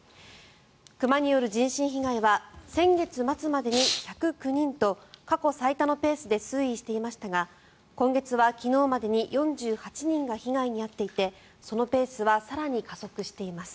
熊による人身被害は先月末までに１０９人と過去最多のペースで推移していましたが今月は昨日までに４８人が被害に遭っていてそのペースは更に加速しています。